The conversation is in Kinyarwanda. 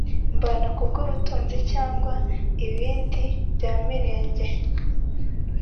mbana kubwubutunzi cyangwa ibindi byamirenge